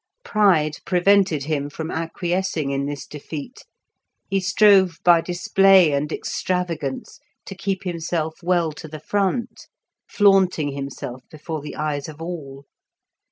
Pride prevented him from acquiescing in this defeat; he strove by display and extravagance to keep himself well to the front, flaunting himself before the eyes of all.